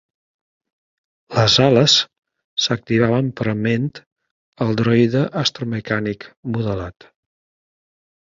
Les ales s'activaven prement el droide astromecànic modelat.